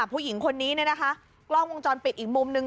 ผู้หญิงคนนี้เนี่ยนะคะกล้องวงจรปิดอีกมุมนึง